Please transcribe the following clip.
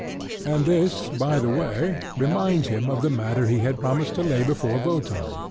And this, by the way, reminds him of the matter he had promised to lay before Wotan.